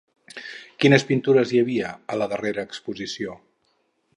Quines pintures hi havia a la darrera exposició?